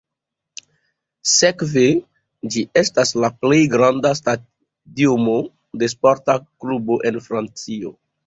Sekve ĝi estas la plej granda stadiono de sporta klubo en Francio.